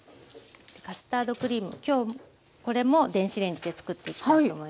カスタードクリーム今日これも電子レンジで作っていきたいと思います。